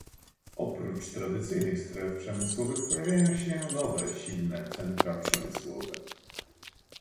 Oprócz tradycyjnych stref przemysłowych pojawiają się nowe, silne centra przemysłowe